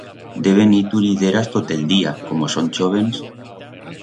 Deben ir turideras tot el día, como son chóvens.